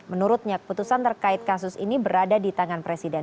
menurutnya keputusan terkait kasus ini berada di tangan presiden